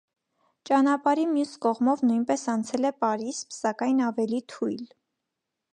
Ճանապարհի մյուս կողմով նույնպես անցել է պարիսպ, սակայն ավելի թույլ։